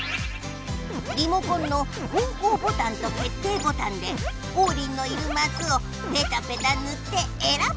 リモコンの方向ボタンと決定ボタンでオウリンのいるマスをペタペタぬってえらぶのじゃ！